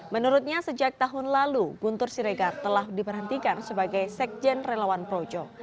menurutnya sejak tahun lalu guntur siregar telah diberhentikan sebagai sekjen relawan projo